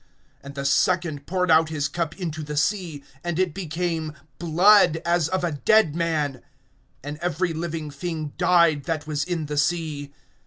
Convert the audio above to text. (3)And the second poured out his cup into the sea; and it became blood, as of a dead man; and every living thing died that was in the sea.